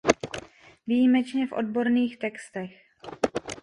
Výjimečně v odborných textech.